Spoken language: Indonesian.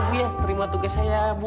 ya bu ya terima tugas saya ya bu